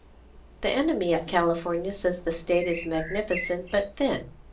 The enemy of California says the state is magnificent but thin.